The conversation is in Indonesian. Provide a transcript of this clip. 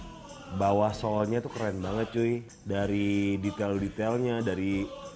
ini dia nih bawah soalnya tuh keren banget cuy dari detail detailnya dari